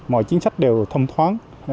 mọi chính sách đều thâm thoáng